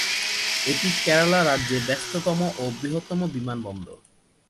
এটি কেরালা রাজ্যে ব্যস্ততম এবং বৃহত্তম বিমানবন্দর।